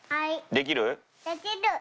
できる。